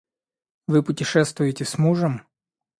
Вы путешествуете с мужем?